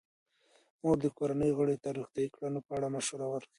مور د کورنۍ غړو ته د روغتیايي کړنو په اړه مشوره ورکوي.